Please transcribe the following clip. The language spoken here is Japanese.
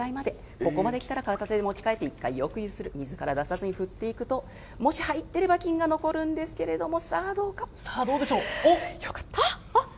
ここまできたら片手で持ち換えて一回よくゆする、水から出さずに振っていくと、もし入っていれば、金が残るんですけれども、さあ、さあ、どうでしょう。